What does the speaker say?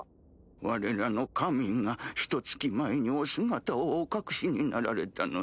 われらの神がひと月前にお姿をお隠しになられたのです。